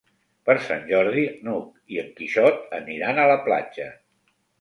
Per Sant Jordi n'Hug i en Quixot aniran a la platja.